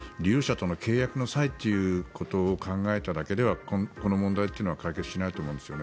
そうじゃない人たちがやるわけですから利用者との契約の際ということを考えただけではこの問題というのは解決しないと思うんですね。